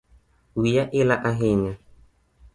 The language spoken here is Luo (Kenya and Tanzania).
Wiya ila ahinya